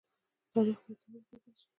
تاریخ باید څنګه وساتل شي؟